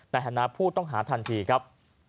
ในฐานะผู้ต้องหาทันทีครับ